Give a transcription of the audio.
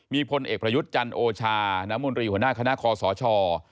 มีพลเอกพระยุทธจรโอชาณหมดรีหรือหน้าคณะคลศช